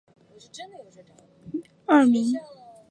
应天府乡试第四十二名。